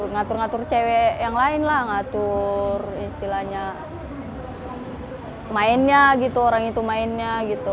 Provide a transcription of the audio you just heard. ngatur ngatur cewek yang lain lah ngatur istilahnya mainnya gitu orang itu mainnya gitu